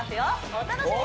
お楽しみに！